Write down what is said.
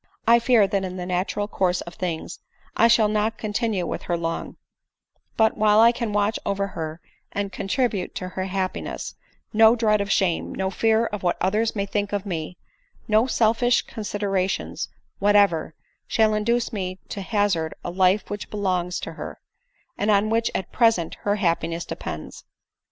I fear, that in the natural course of things, I shall not continue with her long ; but, whilq I can watch over her and contribute to her happiness, no dread of shame, no fear for what others may think of me, no selfish con sideration whatever shall induce me to hazard a life which belongs to her, and on which at present her hap piness depends.